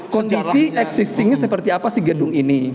kondisi existingnya seperti apa sih gedung ini